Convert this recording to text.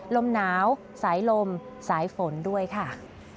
ลมหนาวสายลมสายฝนด้วยค่ะ